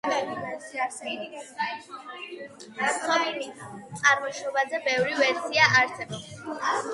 სოფლის წარმოშობაზე ბევრი ვერსია არსებობს.